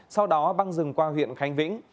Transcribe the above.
sau đó băng rừng qua huyện khánh vĩnh